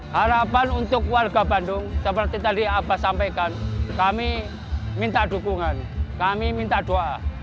harapan untuk warga bandung seperti tadi abah sampaikan kami minta dukungan kami minta doa